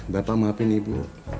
bapak maafin ibu